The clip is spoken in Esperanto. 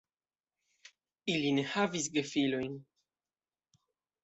Ili ne havis gefilojn.